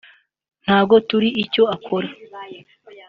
ntabwo tuzi icyo akora